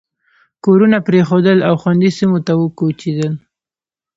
کورونه پرېښودل او خوندي سیمو ته وکوچېدل.